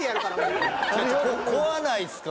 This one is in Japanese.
怖ないっすか？